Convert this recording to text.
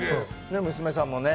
娘さんもね。